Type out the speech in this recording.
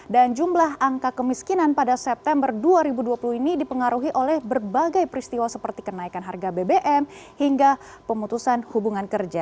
dan jumlah angka kemiskinan pada september dua ribu dua puluh ini dipengaruhi oleh berbagai peristiwa seperti kenaikan harga bbm hingga pemutusan hubungan kerja